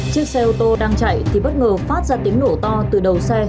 chiếc xe ô tô đang chạy thì bất ngờ phát ra tiếng nổ to từ đầu xe